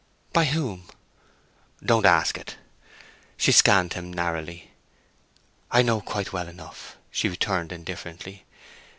"By whom?" "Don't ask it." She scanned him narrowly. "I know quite well enough," she returned, indifferently.